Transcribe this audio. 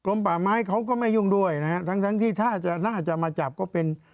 ป่าไม้เขาก็ไม่ยุ่งด้วยนะฮะทั้งทั้งที่ถ้าจะน่าจะมาจับก็เป็น